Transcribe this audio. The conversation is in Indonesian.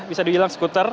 bisa dibilang skuter